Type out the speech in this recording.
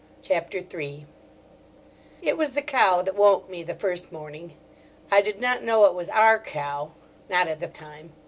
CHAPTER III IT was the cow that woke me the first morning. I did not know it was our cow—not at the time.